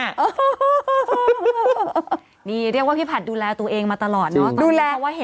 เออเดี๋ยวนั่งร้องไว้